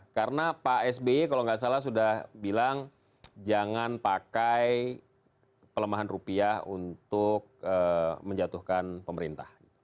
karena pak sby kalau nggak salah sudah bilang jangan pakai pelemahan rupiah untuk menjatuhkan pemerintah